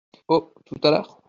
Oh !… tout à l’heure.